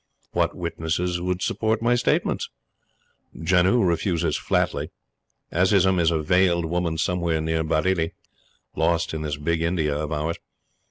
What witnesses would support my statements? Janoo refuses flatly, Azizun is a veiled woman somewhere near Bareilly lost in this big India of ours.